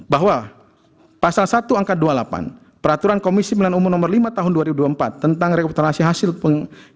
bahwa pasal satu angka dua puluh delapan peraturan komisi pemilihan umum nomor lima tahun dua ribu dua puluh empat tentang reputasi hasil